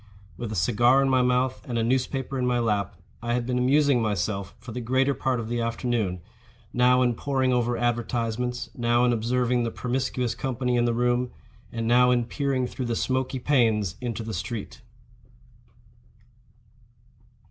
With a cigar in my mouth and a newspaper in my lap, I had been amusing myself for the greater part of the afternoon, now in poring over advertisements, now in observing the promiscuous company in the room, and now in peering through the smoky panes into the street.